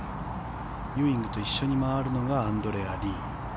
ユーイングと一緒に回るのがアンドレア・リー。